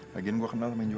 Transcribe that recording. lagian gue kenal temen jual